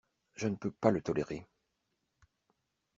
Je ne peux pas le tolérer!